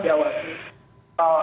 terdapat dampak sosial